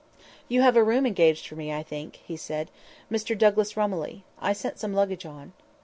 "You have a room engaged for me, I think," he said, "Mr. Douglas Romilly. I sent some luggage on."